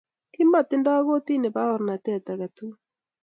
kimatindo kortini baorenattet agetugul